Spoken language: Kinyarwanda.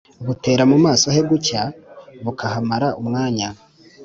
Butera Mu Maso He Gucya Bukahamara Umwanya